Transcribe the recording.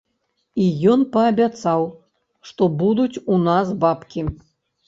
І ён паабяцаў, што будуць у нас бабкі.